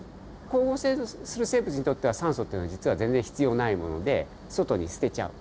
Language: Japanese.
光合成をする生物にとっては酸素っていうのは実は全然必要ないもので外に捨てちゃう。